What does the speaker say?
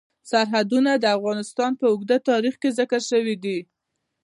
سرحدونه د افغانستان په اوږده تاریخ کې ذکر شوی دی.